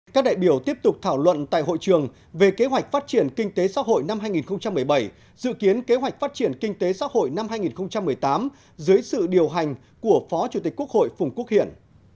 các đại biểu tiếp tục thảo luận tại hội trường về kế hoạch phát triển kinh tế xã hội năm hai nghìn một mươi bảy dự kiến kế hoạch phát triển kinh tế xã hội năm hai nghìn một mươi tám dưới sự điều hành của phó chủ tịch quốc hội phùng quốc hiển